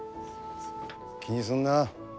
気にすんな。